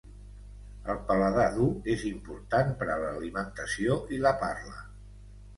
El paladar dur és important per a l'alimentació i la parla.